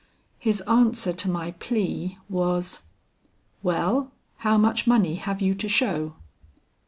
His answer to my plea was: "'Well, how much money have you to show?'